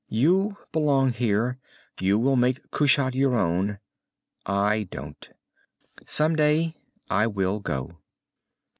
You belong here, you will make Kushat your own. I don't. Someday I will go."